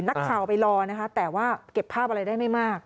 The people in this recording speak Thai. นักข่าวไปรอนะคะแต่ว่าเก็บภาพอะไรได้ไม่มาก